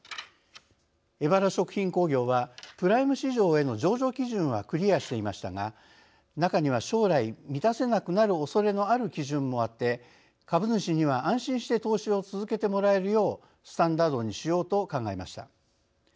エバラ食品工業はプライム市場への上場基準はクリアしていましたが中には将来満たせなくなるおそれのある基準もあって株主には安心して投資を続けてもらえるようスタンダードにしようと考えました。